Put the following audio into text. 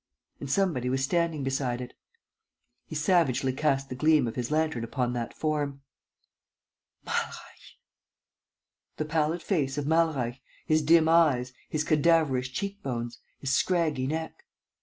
And somebody was standing beside it. He savagely cast the gleam of his lantern upon that form. Malreich! The pallid face of Malreich, his dim eyes, his cadaverous cheek bones, his scraggy neck.